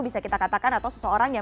bisa kita katakan atau seseorang yang